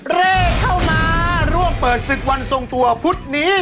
เลขเข้ามาร่วมเปิดศึกวันทรงตัวพุธนี้